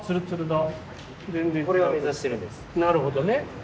なるほどね。